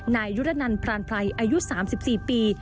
นายยุรนันทร์พรานภัยอายุ๓๔ปี